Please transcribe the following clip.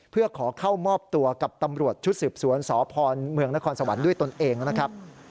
เพื่อขอเข้ามอบตัวกับตำรวจชุดสืบสวนสพเมืองนครสวรรค์ด้วยตนเองนะครับ